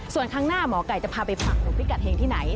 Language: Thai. ส่วนข้างหน้าหมอไก่จะพาไปฝั่งหลวงพิกัดเฮงที่ไหน